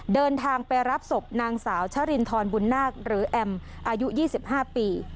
เดินทางไปรับศพนางสาวชรินทรบุญนาคหรือแอมอายุ๒๕ปี